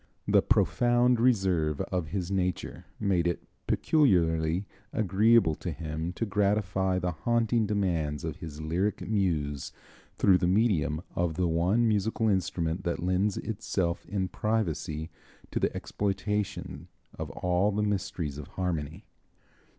The profound reserve of his nature made it peculiarly agreeable to him to gratify the haunting demands of his lyric muse through the medium of the one musical instrument that lends itself in privacy to the exploitation of all the mysteries of harmony.